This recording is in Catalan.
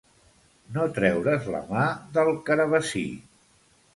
No treure's la mà del carabassí.